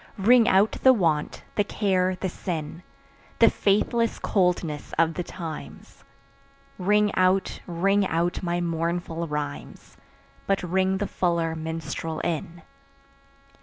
Ring out the want, the care the sin, The faithless coldness of the times; Ring out, ring out my mournful rhymes, But ring the fuller minstrel in.